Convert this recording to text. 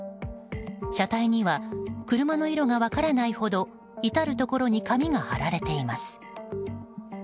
車体には車の色が分からないほど至るところに紙が貼られています。